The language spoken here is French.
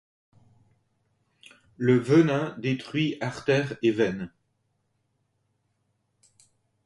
Le venin détruit artères et veines.